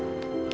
mau makan ke